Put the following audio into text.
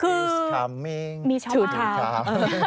ชูดภาพนี่ครับค่ะชูดภาพ